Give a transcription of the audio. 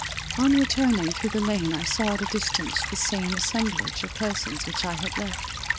On returning through the lane, I saw at a distance the same assemblage of persons which I had left.